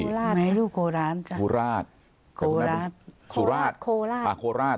โคลาสแม่ลูกโคลาสโคลาสโคลาสโคลาสโคลาสโคลาส